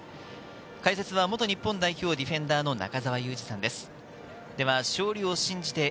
解説は元日本代表ディフェンダー・中澤佑二さんです。